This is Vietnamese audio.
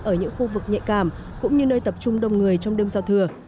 ở những khu vực nhạy cảm cũng như nơi tập trung đông người trong đêm giao thừa